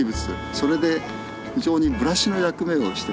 それで非常にブラシの役目をしてます。